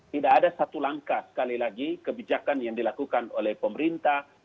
tidak ada satu langkah sekali lagi kebijakan yang dilakukan oleh pemerintah